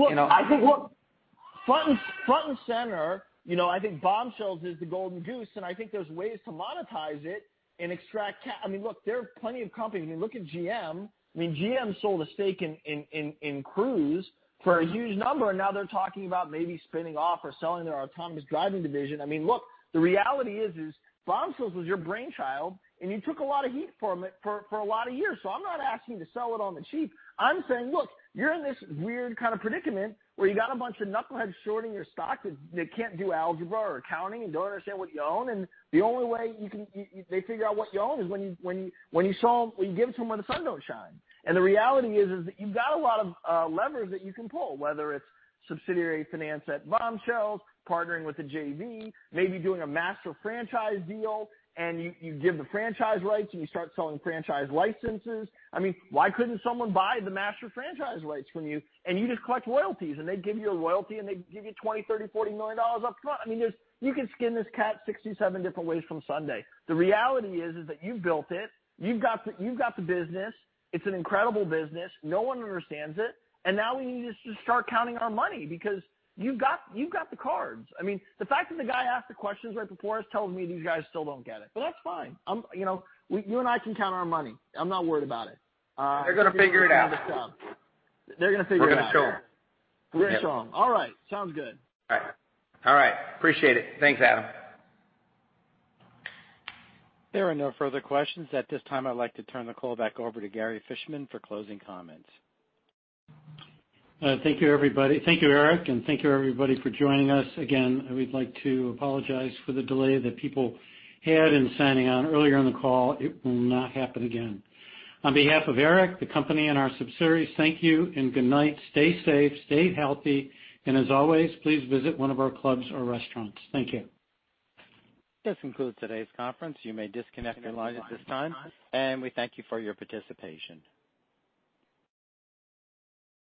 front and center, I think Bombshells is the golden goose, and I think there's ways to monetize it and extract. Look, there are plenty of companies. Look at GM. GM sold a stake in Cruise for a huge number, and now they're talking about maybe spinning off or selling their autonomous driving division. Look, the reality is Bombshells was your brainchild, and you took a lot of heat from it for a lot of years. I'm not asking you to sell it on the cheap. I'm saying, look, you're in this weird kind of predicament where you got a bunch of knuckleheads shorting your stock that can't do algebra or accounting and don't understand what you own. The only way they figure out what you own is when you give it to them where the sun don't shine. The reality is that you've got a lot of levers that you can pull, whether it's subsidiary finance at Bombshells, partnering with a JV, maybe doing a master franchise deal, and you give the franchise rights, and you start selling franchise licenses. Why couldn't someone buy the master franchise rights from you and you just collect royalties, and they give you a royalty, and they give you $20 million, $30 million, $40 million up front? You can skin this cat 67 different ways from Sunday. The reality is that you've built it. You've got the business. It's an incredible business. No one understands it. Now we need to just start counting our money because you've got the cards. The fact that the guy asked the questions right before us tells me these guys still don't get it. That's fine. You and I can count our money. I'm not worried about it. They're going to figure it out. They're going to figure it out. We're going to show them. We're going to show them. All right. Sounds good. All right. Appreciate it. Thanks, Adam. There are no further questions at this time. I'd like to turn the call back over to Gary Fishman for closing comments. Thank you, everybody. Thank you, Eric, and thank you, everybody, for joining us again. We'd like to apologize for the delay that people had in signing on earlier on the call. It will not happen again. On behalf of Eric, the company, and our subsidiaries, thank you and good night. Stay safe, stay healthy, and as always, please visit one of our clubs or restaurants. Thank you. This concludes today's conference. You may disconnect your line at this time, and we thank you for your participation.